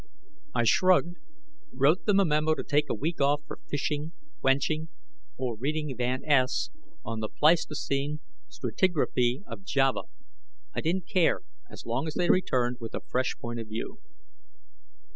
I shrugged, wrote them a memo to take a week off for fishing, wenching, or reading Van Es on the Pleistocene stratigraphy of Java. I didn't care, as long as they returned with a fresh point of view.